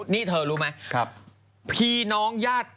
นี่เธอรู้ไหมพี่น้องญาติ